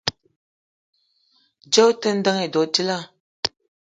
Djeue ote ndeng edo djila?